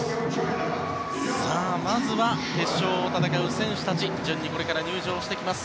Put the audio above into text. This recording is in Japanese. まずは決勝を戦う選手たちが順に入場してきます。